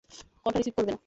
কলটা রিসিভ করবে না।